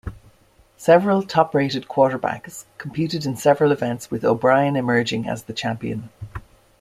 Several top-rated quarterbacks competed in several events with O'Brien emerging as the champion.